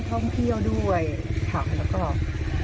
บ้านท่องเพี่ยวด้วยซักประกอบ